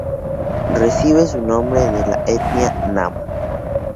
Recibe su nombre de la etnia nama.